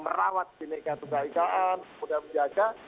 merawat kebenekaan tunggal ika yang sudah dijaga